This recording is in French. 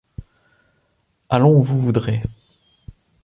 Allons où vous voudrez.